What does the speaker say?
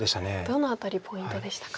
どの辺りポイントでしたか。